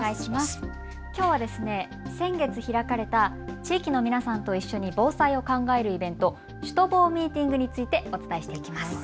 きょうは先月、開かれた地域の皆さんと一緒に防災を考えるイベント、シュトボーＭｅｅｔｉｎｇについてお伝えします。